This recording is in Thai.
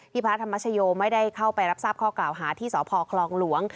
พระธรรมชโยไม่ได้เข้าไปรับทราบข้อกล่าวหาที่สพคลองหลวง